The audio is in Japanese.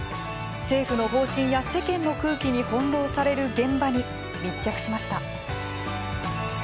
政府の方針や世間の空気に翻弄される現場に密着しました。